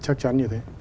chắc chắn như thế